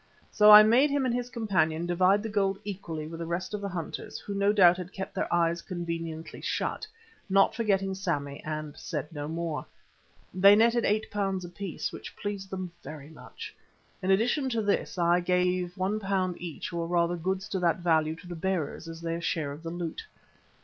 So I made him and his companion divide the gold equally with the rest of the hunters, who no doubt had kept their eyes conveniently shut, not forgetting Sammy, and said no more. They netted £8 apiece, which pleased them very much. In addition to this I gave £1 each, or rather goods to that value, to the bearers as their share of the loot.